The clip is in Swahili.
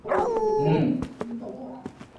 kwenye uongozi alijifanya ati yeye anaunga